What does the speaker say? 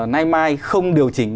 nay mai không điều chỉnh